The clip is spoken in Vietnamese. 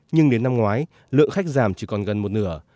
nhưng đến năm ngoái lượng khách giảm chỉ còn gần một nửa